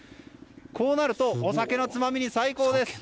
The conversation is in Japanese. こうなるとお酒のつまみに最高です。